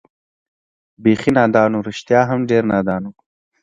بېخي نادان و، رښتیا هم ډېر نادان و.